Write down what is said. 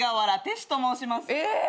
え！